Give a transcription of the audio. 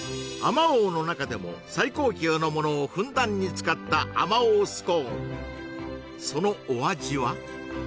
まおうの中でも最高級のものをふんだんに使ったあまおうスコーンそのお味は？